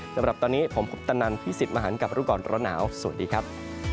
สำหรับตอนนี้ผมคุปตนันพี่สิทธิ์มหันกับรู้ก่อนร้อนหนาวสวัสดีครับ